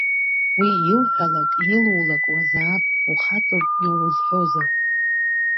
Уи илҳәалак, илулак ауазаап, ухаҵоуп иузҳәозар…